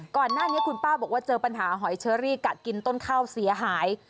ก่อนหน้านี้คุณป้าบอกว่าเจอปัญหาหอยเชอรี่กัดกินต้นข้าวเสียหาย